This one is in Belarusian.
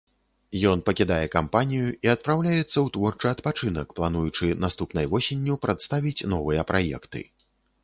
Ён пакідае кампанію і адпраўляецца ў творчы адпачынак, плануючы наступнай восенню прадставіць новыя праекты.